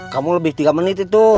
kamu lebih tiga menit itu